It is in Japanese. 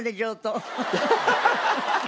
アハハハ。